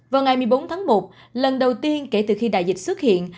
vào ngày một mươi bốn tháng một lần đầu tiên kể từ khi đại dịch xuất hiện